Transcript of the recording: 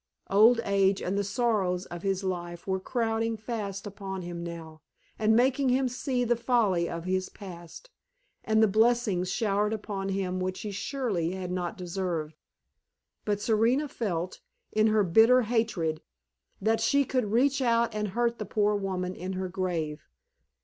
Old age and the sorrows of his life were crowding fast upon him now, and making him see the folly of his past, and the blessings showered upon him which he surely had not deserved. But Serena felt, in her bitter hatred, that she could reach out and hurt the poor woman in her grave.